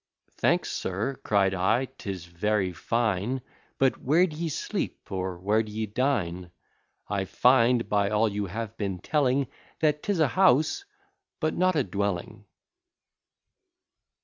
Thanks, sir, cried I, 'tis very fine, But where d'ye sleep, or where d'ye dine? I find, by all you have been telling, That 'tis a house, but not a dwelling.